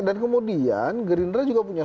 dan kemudian gerindra juga punya